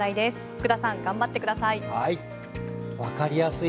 福田さん頑張ってください。